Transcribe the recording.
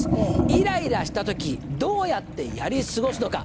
「イライラした時どうやってやり過ごすのか？」。